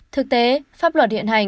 thực tế pháp luật hiện hành